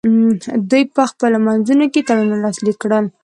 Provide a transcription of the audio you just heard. دوی په خپلو منځونو کې تړونونه لاسلیک کړل